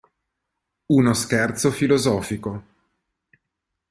Uno scherzo filosofico".